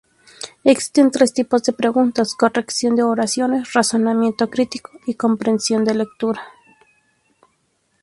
Existen tres tipos de preguntas: corrección de oraciones, razonamiento crítico y comprensión de lectura.